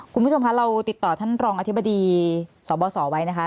คุณผู้ชมคะเราติดต่อท่านรองอธิบดีสบสไว้นะคะ